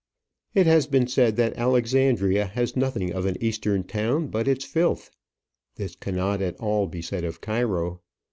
It has been said that Alexandria has nothing of an Eastern town but its filth. This cannot at all be said of Cairo.